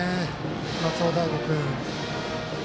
松尾大悟君。